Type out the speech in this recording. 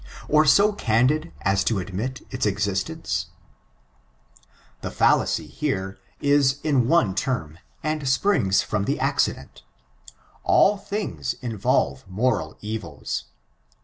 or so candid, as tx> admit its existence ? The &llacy here, is in one term, and springs from the accident "All things which involve moral evils."